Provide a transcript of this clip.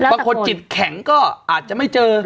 บางคนจิตแข็งก็อาจจะไม่เจอ